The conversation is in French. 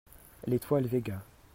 L'étoile Véga.